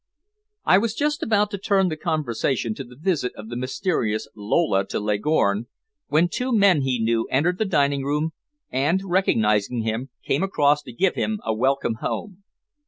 I was just about to turn the conversation to the visit of the mysterious Lola to Leghorn, when two men he knew entered the dining room, and, recognizing him, came across to give him a welcome home.